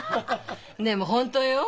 でも本当よ。